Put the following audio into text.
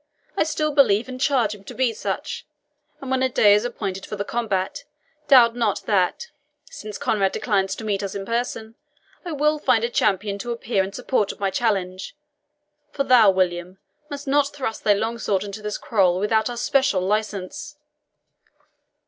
I still believe and charge him to be such; and when a day is appointed for the combat, doubt not that, since Conrade declines to meet us in person, I will find a champion to appear in support of my challenge for thou, William, must not thrust thy long sword into this quarrel without our special license."